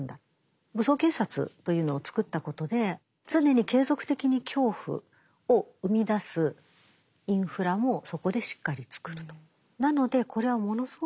武装警察というのを作ったことで常に継続的に恐怖を生みだすインフラもそこでしっかり作ると。